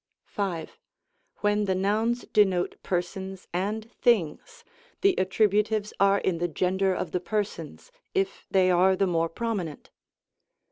V. When the nouns denote persons and things, the attributives are in the gender of the persons, if they are the more prominent.